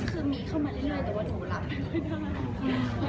คือมีเข้ามาเรื่อยแต่ว่าหนูรับ